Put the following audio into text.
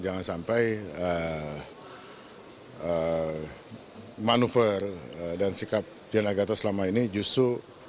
jangan sampai manuver dan sikap jana gatot selama ini justru